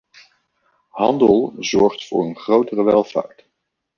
Handel zorgt voor een grotere welvaart.